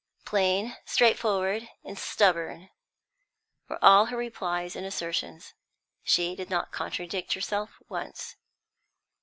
Plain, straightforward, and stubborn were all her replies and assertions; she did not contradict herself once.